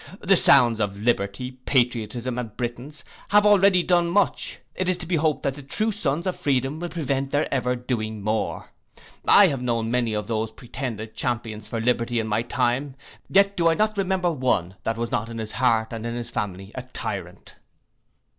The sounds of liberty, patriotism, and Britons, have already done much, it is to be hoped that the true sons of freedom will prevent their ever doing more. I have known many of those pretended champions for liberty in my time, yet do I not remember one that was not in his heart and in his family a tyrant.